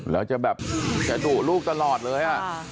แล้วจะแบบจะดุลูกตลอดเลย